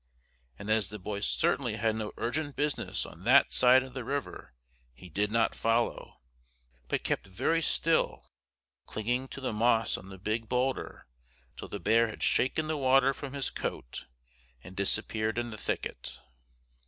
And as the boy certainly had no urgent business on that side of the river he did not follow, but kept very still, clinging to the moss on the big boulder till the bear had shaken the water from his coat and disappeared in the thicket.